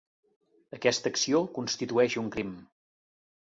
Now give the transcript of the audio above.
Aquesta acció constitueix un crim.